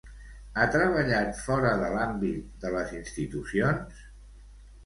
Ha treballat fora de l'àmbit de les institucions?